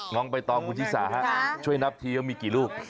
ง้องไปต่อคุณธิสาช่วยนับที่ยังมีกี่ลูก